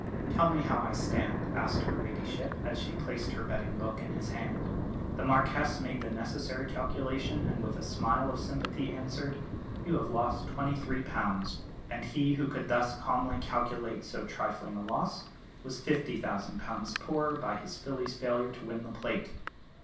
"Tell me how I stand," asked her ladyship, as she placed her betting book in his hand. The Marquess made the necessary calculation; and with a smile of sympathy, answered: "You have lost £23." And he, who could thus calmly calculate so trifling a loss, was £50,000 poorer by his filly's failure to win the Plate!